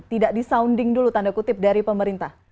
tidak di sounding dulu tanda kutip dari pemerintah